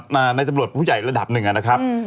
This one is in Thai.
ในตำรวจผู้ใหญ่ระดับหนึ่งนะครับ